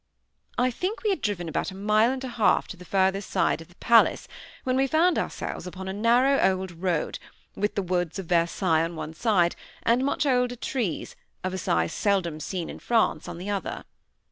I think we had driven about a mile and a half to the further side of the palace when we found ourselves upon a narrow old road, with the woods of Versailles on one side, and much older trees, of a size seldom seen in France, on the other.